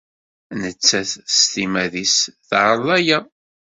Nettat s timmad-nnes teɛreḍ aya.